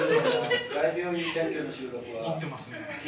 もってますね。